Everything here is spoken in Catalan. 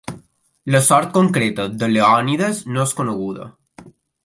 La sort concreta de Leònides no és coneguda.